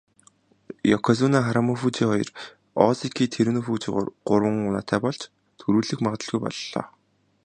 Ёкозүна Харүмафүжи хоёр, озеки Тэрүнофүжи гурван унаатай болж түрүүлэх магадлалгүй боллоо.